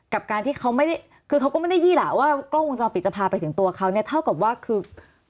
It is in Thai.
กับการที่เขาไม่ได้คือเขาก็ไม่ได้ยี่หล่าว่ากล้องวงจรปิดจะพาไปถึงตัวเขาเนี่ยเท่ากับว่าคือ